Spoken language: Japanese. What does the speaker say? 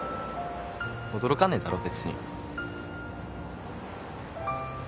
驚かねえだろ別に。